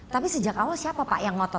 tapi sejak awal siapa pak yang ngotot